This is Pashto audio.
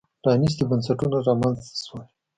پرانېستي بنسټونه رامنځته شول.